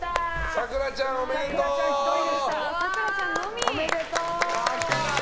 さくらちゃん、おめでとう！